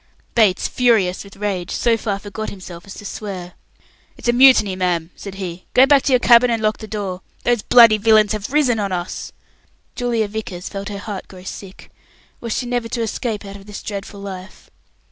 Bates, furious with rage, so far forgot himself as to swear. "It's a mutiny, ma'am," said he. "Go back to your cabin and lock the door. Those bloody villains have risen on us!" Julia Vickers felt her heart grow sick. Was she never to escape out of this dreadful life?